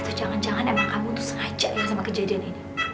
terus jangan jangan emang kamu tuh sengaja ya sama kejadian ini